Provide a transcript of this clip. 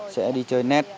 sẽ đi chơi net